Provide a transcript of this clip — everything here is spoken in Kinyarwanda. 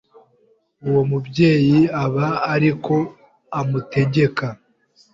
" Uwo mubyeyi aba ariko amutegeka.